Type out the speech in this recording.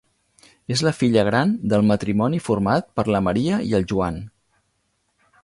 És la filla gran del matrimoni format per la Maria i el Joan.